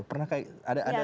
pernah kayak ada kayak gitu